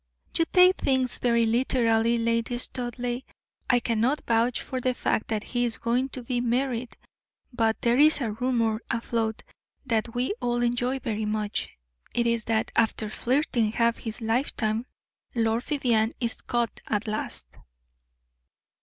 "You take things very literally, Lady Studleigh. I cannot vouch for the fact that he is going to be married, but there is a rumor afloat that we all enjoy very much. It is that, after flirting half his lifetime, Lord Vivianne is caught at last."